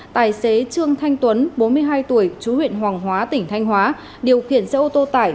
tài xế trương thanh tuấn bốn mươi hai tuổi chú huyện hoàng hóa tỉnh thanh hóa điều khiển xe ô tô tải